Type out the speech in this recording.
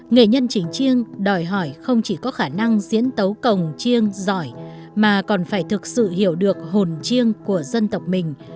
nghệ nhân chính chiêng đòi hỏi không chỉ có khả năng diễn tấu cồng chiêng giỏi mà còn phải thực sự hiểu được hồn chiêng của dân tộc mình